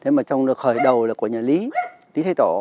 thế mà trong khởi đầu là của nhà lý lý thế tổ